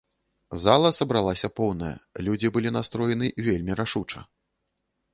Зала сабралася поўная, людзі былі настроены вельмі рашуча.